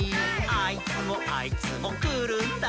「あいつもあいつもくるんだ」